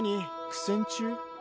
苦戦中？